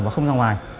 và không ra ngoài